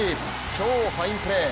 超ファインプレー。